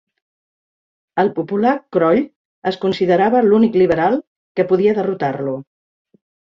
El popular Croll es considerava l'únic liberal que podia derrotar-lo.